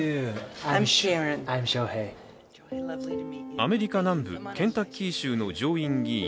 アメリカ南部、ケンタッキー州の上院議員